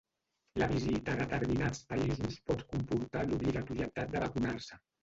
La visita a determinats països pot comportar l'obligatorietat de vacunar-se.